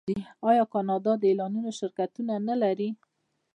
آیا کاناډا د اعلاناتو شرکتونه نلري؟